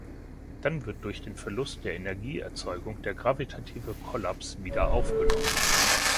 Dann wird durch den Verlust der Energieerzeugung der gravitative Kollaps wieder aufgenommen.